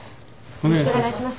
よろしくお願いします。